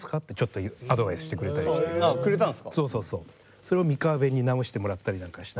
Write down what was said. それを三河弁になおしてもらったりなんかして。